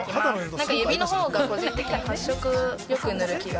何か指の方が個人的に発色よくなる気が